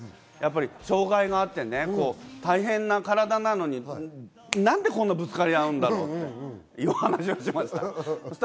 障害があって大変な体なのに、なんでぶつかり合うんだろうっていう話をしました。